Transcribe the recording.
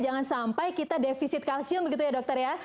jangan sampai kita defisit kalsium begitu ya dokter ya